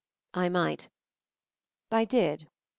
I might. I did.